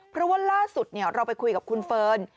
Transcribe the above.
เพราะว่าล่าสุดเราไปคุยกับคุณเฟิร์น